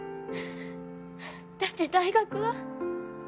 だって大学は？